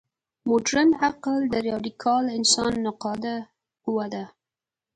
مډرن عقل د راډیکال انسان نقاده قوه ده.